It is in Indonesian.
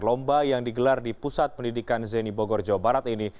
lomba yang digelar di pusat pendidikan zeni bogor jawa barat ini